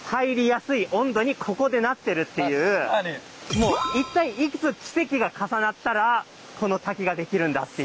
もう一体いくつ奇跡が重なったらこの滝が出来るんだっていう。